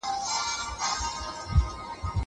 هغه څوک چي پاکوالی کوي منظم وي!